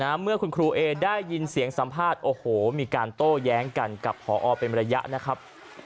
เมื่อคุณครูเอได้ยินเสียงสัมภาษณ์โอ้โหมีการโต้แย้งกันกับพอเป็นระยะนะครับ